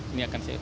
ini akan selesai